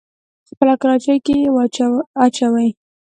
په خپله کراچۍ کې يې اچوي.